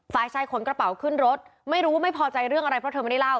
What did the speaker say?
ฝ่ายชายขนกระเป๋าขึ้นรถไม่รู้ว่าไม่พอใจเรื่องอะไรเพราะเธอไม่ได้เล่า